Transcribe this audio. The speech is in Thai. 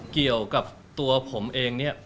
เกี่ยวกับตัวผมเองเนี่ย